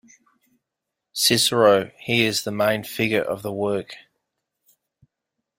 Cicero - He is the main figure of the work.